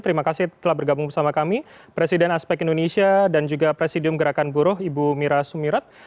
terima kasih telah bergabung bersama kami presiden aspek indonesia dan juga presidium gerakan buruh ibu mira sumirat